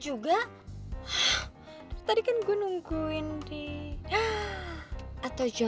ia tidak mungkin berdua